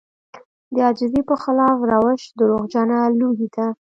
د عاجزي په خلاف روش دروغجنه لويي ده.